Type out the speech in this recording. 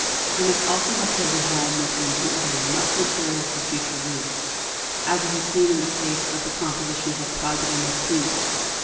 He must also have taken home with him from Italy much material for future use, as we have seen in the case of the compositions of Padre Martini.